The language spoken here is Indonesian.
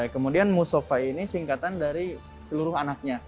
kemudian musofa ini singkatan dari seluruh anaknya